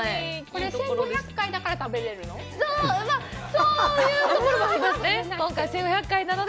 これ、１５００回だから食べれるの？